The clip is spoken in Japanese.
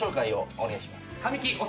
お願いします。